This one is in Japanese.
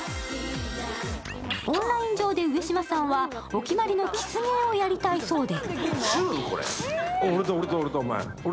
オンラインうえで上島さんはお決まりのキス芸をやりたいそうで。